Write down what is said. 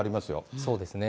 そうですね。